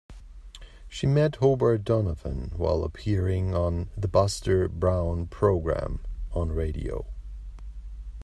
She met Hobart Donovan while appearing on "The Buster Brown Program" on radio.